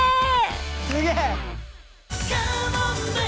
すげえ！